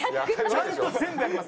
ちゃんと全部やります。